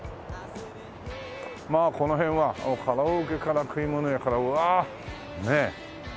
まあこの辺はカラオケから食い物屋からうわあ！ねえ。